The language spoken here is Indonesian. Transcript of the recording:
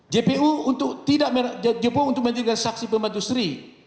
jepung untuk menghadirkan saksi pembantu sri